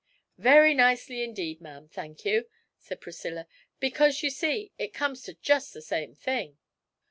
'Very nicely indeed, ma'am, thank you,' said Priscilla, 'because, you see, it comes to just the same thing.'